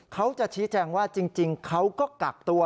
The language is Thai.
เขาจะชี้แจงว่าจริงเขาก็กักตัว